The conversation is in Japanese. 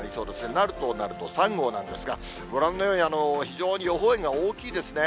なるとなると３号なんですが、ご覧のように、非常に予報円が大きいですね。